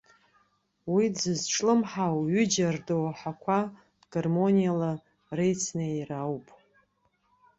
Уи дзызҿлымҳау ҩыџьа рдоуҳақәа гармониала реицнеира ауп.